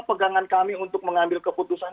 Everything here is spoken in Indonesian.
pegangan kami untuk mengambil keputusan